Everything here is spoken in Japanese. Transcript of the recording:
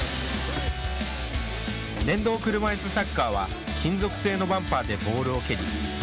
電動車いすサッカーは金属製のバンパーでボールを蹴り。